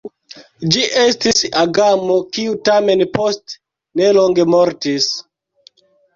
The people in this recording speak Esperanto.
Ĝi estis agamo, kiu tamen post nelonge mortis.